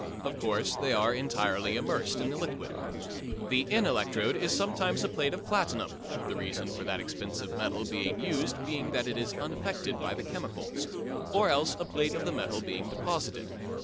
Of course they are entirely immersed in the liquid. The in electrode is sometimes a plate of platinum (the reason that expensive metal is used being that it is unaffected by the chemicals) or else a plate of the metal being deposited.